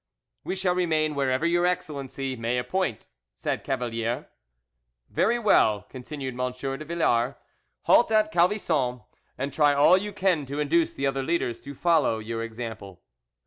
"We shall remain wherever your excellency may appoint," said Cavalier. "Very well," continued M. de Villars; "halt at Calvisson, and try all you can to induce the other leaders to follow your example."